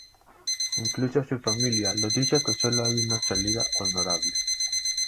Incluso su familia le dice que sólo hay una salida honorable.